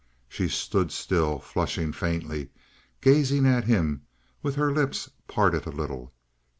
She stood still, flushing faintly, gazing at him with her lips parted a little.